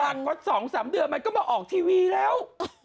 ๒๓เดือนมันก็มาออกทีวีแล้ว